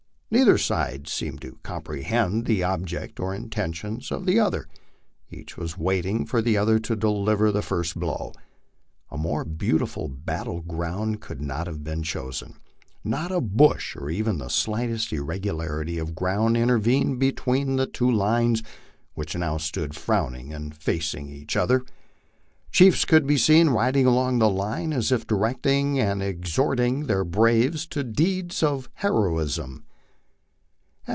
Neither side seemed to comprehend the object or intentions of the other; each was waiting for the other to deliver the first blow. A more beautiful battle ground could not have been chosen. Not a bush or even the slightest irregularity of ground intervened between the two lines which now stood frowning and facing each other. Chiefs could be seen riding along the line as if directing and exhorting their braves to deeds of heroism.